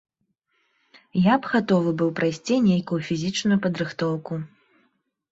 Я б гатовы быў прайсці нейкую фізічную падрыхтоўку.